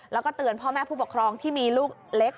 แล้วก็เตือนพ่อแม่ผู้ปกครองที่มีลูกเล็ก